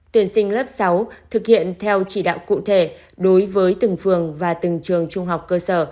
tuyển sinh lớp sáu thực hiện theo chỉ đạo cụ thể đối với từng phường và từng trường trung học cơ sở